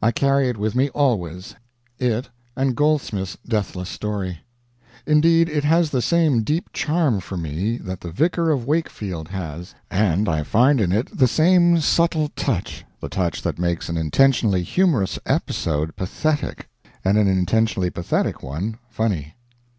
I carry it with me always it and Goldsmith's deathless story. Indeed, it has the same deep charm for me that the Vicar of Wakefield has, and I find in it the same subtle touch the touch that makes an intentionally humorous episode pathetic and an intentionally pathetic one funny.